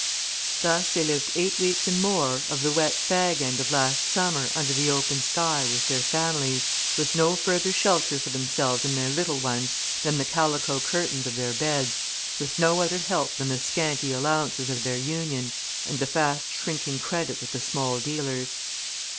Thus they lived eight weeks and more of the wet fag end of last summer under the open sky with their families, with no further shelter for themselves and their little ones than the calico curtains of their beds; with no other help than the scanty allowances of their Union and the fast shrinking credit with the small dealers.